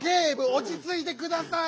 おちついてください！